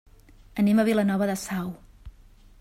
Anem a Vilanova de Sau.